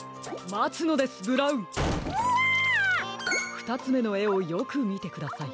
ふたつめのえをよくみてください。